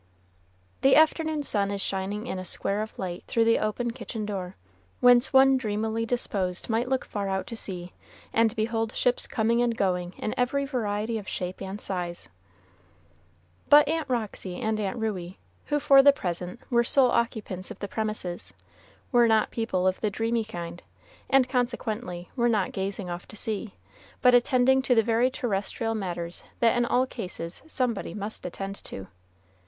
The afternoon sun is shining in a square of light through the open kitchen door, whence one dreamily disposed might look far out to sea, and behold ships coming and going in every variety of shape and size. But Aunt Roxy and Aunt Ruey, who for the present were sole occupants of the premises, were not people of the dreamy kind, and consequently were not gazing off to sea, but attending to very terrestrial matters that in all cases somebody must attend to.